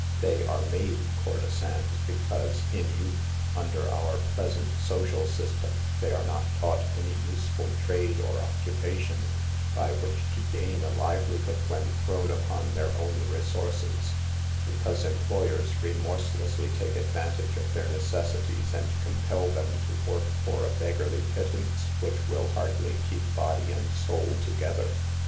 They are made courtesans because, in youth, under our present social system, they are not taught any useful trade or occupation, by which to gain a livelihood when thrown upon their own resources, be cause employers remorsely take advantage of their necessities and compel them to work for a beggarly pittance which will hardly keep body and soul together.